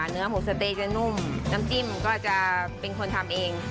เนื้อหมูสเตย์จะนุ่มน้ำจิ้มก็จะเป็นคนทำเอง